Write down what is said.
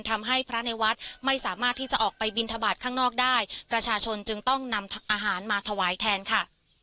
ทำให้พระในวัดไม่สามารถที่จะออกไปบินทบาทข้างนอกได้ประชาชนจึงต้องนำอาหารมาถวายแทนค่ะ